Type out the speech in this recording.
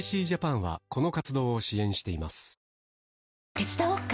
手伝おっか？